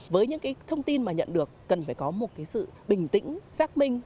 với những thông tin mà nhận được cần phải có một sự bình tĩnh xác minh